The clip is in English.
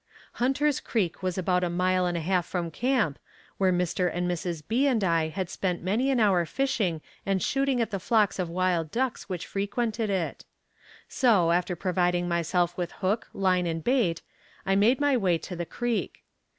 "Hunter's Creek" was about a mile and a half from camp, where Mr. and Mrs. B. and I had spent many an hour fishing and shooting at the flocks of wild ducks which frequented it; so, after providing myself with hook, line and bait, I made my way to the creek.